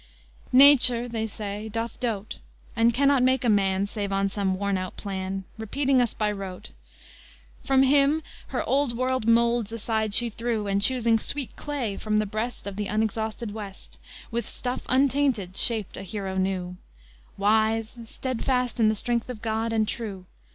Nature, they say, doth dote, And cannot make a man Save on some worn out plan, Repeating us by rote: For him her Old World moulds aside she threw, And, choosing sweet clay from the breast Of the unexhausted West, With stuff untainted shaped a hero new, Wise, stedfast in the strength of God, and true.